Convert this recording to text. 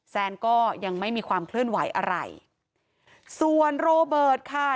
แซนก็ยังไม่มีความเคลื่อนไหวอะไรส่วนโรเบิร์ตค่ะ